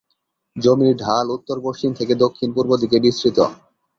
জমির ঢাল উত্তর-পশ্চিম থেকে দক্ষিণ-পূর্ব দিকে বিস্তৃত।